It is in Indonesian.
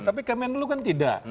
tapi kemenlo kan tidak